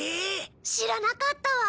知らなかったわ。